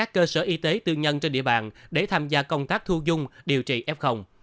các cơ sở y tế tư nhân trên địa bàn để tham gia công tác thu dung điều trị f